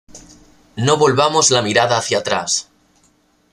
No volvamos la mirada hacia atrás.